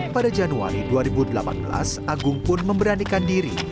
pada januari dua ribu delapan belas agung pun memberanikan diri